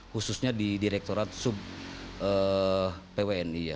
khususnya di direktorat sub pwni ya